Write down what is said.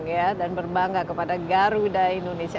ya dan berbangga kepada garuda indonesia